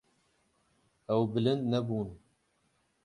Ew bilind nebûn.